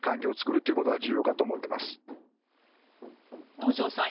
能條さん